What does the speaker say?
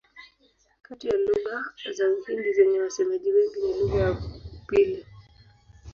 Kati ya lugha za Uhindi zenye wasemaji wengi ni lugha ya pili.